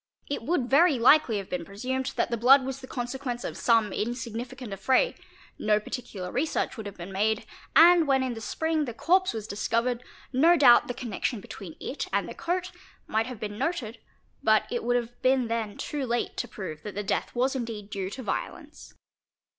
It would very likely have been presumed that the blood was the consequence of some insignificant affray, no particular research would have been made, and when, in the spring, the corpse was discovered, no doubt the con nection between it and the coat found might have been noted, but it — would have been then too late to prove that the death was indeed due to ~ violence.